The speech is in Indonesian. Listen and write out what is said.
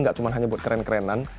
gak cuma hanya buat keren kerenan